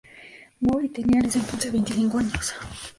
Boyd tenía en ese entonces veinticinco años.